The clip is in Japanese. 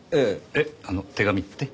えっあの手紙って？